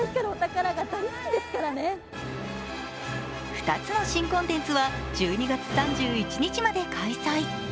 ２つの新コンテンツは１２月３１日まで開催。